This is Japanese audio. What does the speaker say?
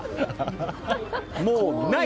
もう、ない！